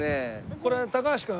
これ高橋君。